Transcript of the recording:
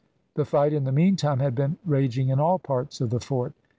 The fight, in the meantime, had been raging in all parts of the fort.